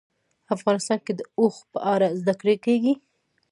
افغانستان کې د اوښ په اړه زده کړه کېږي.